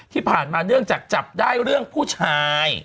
ที่ผ่านมาเนื่องจากจับได้เรื่องผู้ชาย